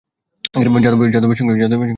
যাদবের সঙ্গে ভিতরে যায়।